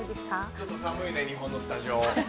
ちょっと寒いね、日本のスタジオ。